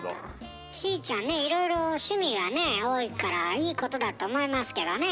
しーちゃんねいろいろ趣味がね多いからいいことだと思いますけどねえ。